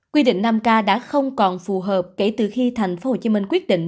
quy định năm k đã không còn phù hợp kể từ khi tp hcm quyết định